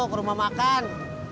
ke rumah makan